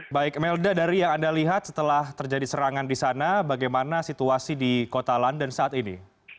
baik melda dari yang anda lihat setelah terjadi serangan di sana bagaimana situasi di kota london saat ini